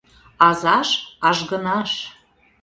Азаш — ажгынаш.